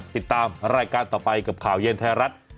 ติดตามรายการต่อไปกับข่าวเย็นไทยรัฐ